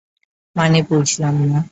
মানে বুঝলাম না?